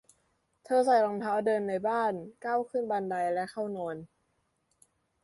เธอใส่รองเท้าเดินในบ้าน ก้าวขึ้นบันได และเข้านอน